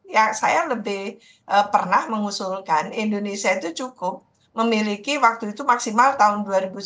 ya saya lebih pernah mengusulkan indonesia itu cukup memiliki waktu itu maksimal tahun dua ribu sembilan belas